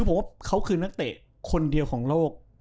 ผมว่านักเตะคนเดียวของโลก